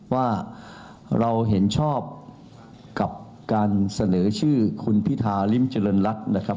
ว่าเราเห็นชอบกับการเสนอชื่อคุณพิธาริมเจริญรัฐนะครับ